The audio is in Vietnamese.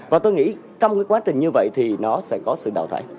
và tôi nghĩ trong cái quá trình như vậy thì nó sẽ có sự đào thải